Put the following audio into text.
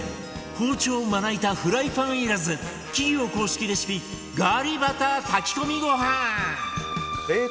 包丁まな板フライパンいらず企業公式レシピガリバタ炊き込みご飯！